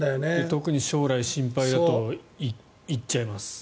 特に将来、心配だといっちゃいます。